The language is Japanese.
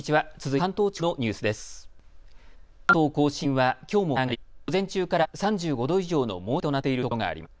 関東甲信はきょうも気温が上がり、午前中から３５度以上の猛暑日となっているところがあります。